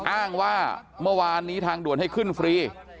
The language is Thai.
อ้างว่าเมื่อวานนี้ทางด่วนให้ขึ้นฟรี